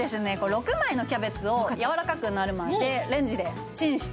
６枚のキャベツをやわらかくなるまでレンジでチンしていきます